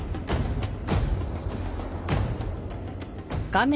画面